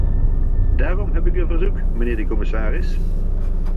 Daarom heb ik een verzoek, mijnheer de commissaris.